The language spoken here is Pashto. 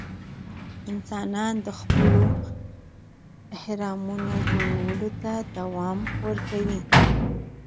انسانان د خپلو اهرامونو جوړولو ته دوام ورکوي.